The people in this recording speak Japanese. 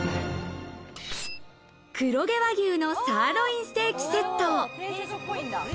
黒毛和牛のサーロインステーキセット。